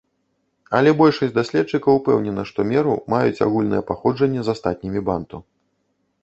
Але большасць даследчыкаў упэўнена, што меру маюць агульнае паходжанне з астатнімі банту.